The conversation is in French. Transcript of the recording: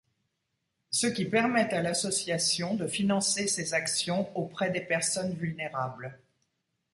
Ce qui permet à l’association de financer ces actions auprès des personnes vulnérables.